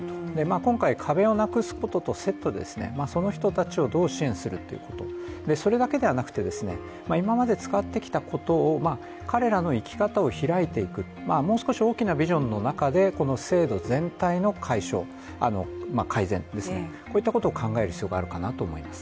今回、壁をなくすこととセットでその人たちをどう支援するかということそれだけではなくて、今まで使ってきたことを彼らの生き方をひらいていくもう少し大きなビジョンの中でこの制度全体の改善、こういったことを考える必要があるかなと思います。